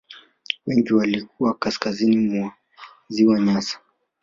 Wengi walikuwa kaskazini mwa ziwa Nyasa